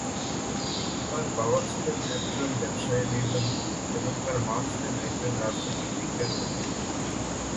তার বাবা ছিলেন একজন ব্যবসায়ের নির্বাহী এবং তার মা ছিলেন একজন রাজনৈতিক বিজ্ঞান অধ্যাপক।